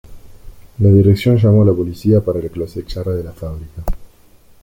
La dirección llamó a la policía para que los echara de la fábrica.